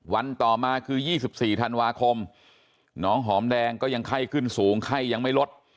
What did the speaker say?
ต่อมาคือ๒๔ธันวาคมน้องหอมแดงก็ยังไข้ขึ้นสูงไข้ยังไม่ลด